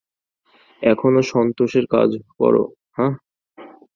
এখনো সান্তোসের কাজ করো, হাহ?